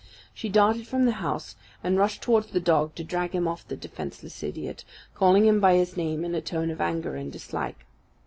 She darted from the house, and rushed towards the dog to drag him off the defenceless idiot, calling him by his name in a tone of anger and dislike.